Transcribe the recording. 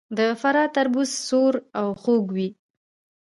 د فراه تربوز سور او خوږ وي.